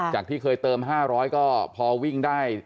ที่เคยเติม๕๐๐ก็พอวิ่งได้